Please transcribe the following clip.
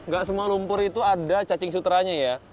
gak semua lumpur itu ada cacing sutranya ya